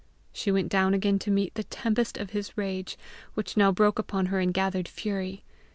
She went down again to meet the tempest of his rage, which now broke upon her in gathered fury.